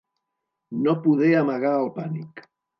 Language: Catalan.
No poder amagar el pànic.